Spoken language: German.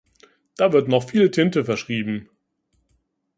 Da wird noch viel Tinte verschrieben.